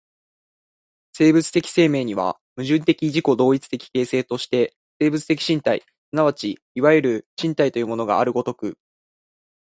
生物的生命には、矛盾的自己同一的形成として生物的身体即ちいわゆる身体というものがある如く、